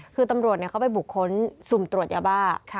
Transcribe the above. คือตำรวจเขาไปบุคคลสุ่มตรวจยาบ้า